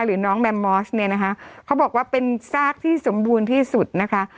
หรือน้องแมมมอสเนี่ยนะคะเขาบอกว่าเป็นซากที่สมบูรณ์ที่สุดนะคะ